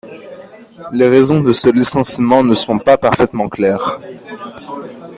Les raisons de ce licenciement ne sont pas parfaitement claires.